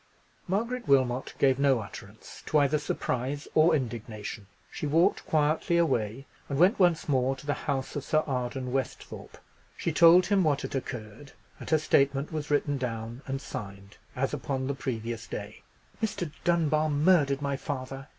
Margaret Wilmot gave no utterance to either surprise or indignation. She walked quietly away, and went once more to the house of Sir Arden Westhorpe. She told him what had occurred; and her statement was written down and signed, as upon the previous day. "Mr. Dunbar murdered my father!"